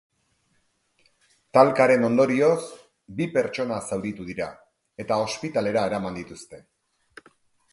Talkaren ondorioz, bi pertsona zauritu dira, eta ospitalera eraman dituzte.